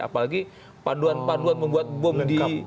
apalagi panduan panduan membuat bom di